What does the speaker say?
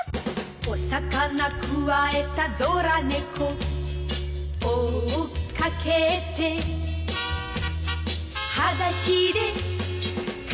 「お魚くわえたドラ猫」「追っかけて」「はだしでかけてく」